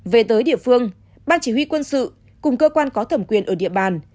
về tới địa phương ban chỉ huy quân sự cùng cơ quan có thẩm quyền ở địa bàn